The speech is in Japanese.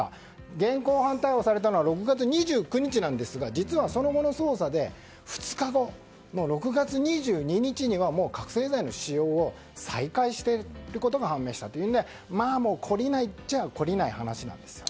現行犯逮捕されたのは６月２９日なんですが実は、その後の捜査で２日後の６月２２日にはもう覚醒剤の使用を再開していることが判明していたというので懲りないっちゃ懲りない話です。